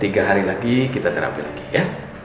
tiga hari lagi kita terapi lagi ya